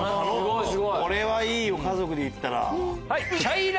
これいい家族で行ったら。